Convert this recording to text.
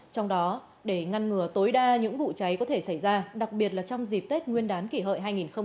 trong đó để ngăn ngừa tối đa những vụ cháy có thể xảy ra đặc biệt là trong dịp tết nguyên đán kỷ hợi hai nghìn một mươi chín